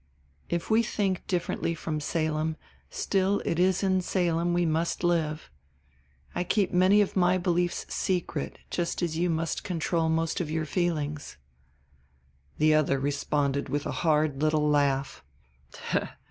If we think differently from Salem still it is in Salem we must live; I keep many of my beliefs secret just as you must control most of your feelings." The other responded with a hard little laugh.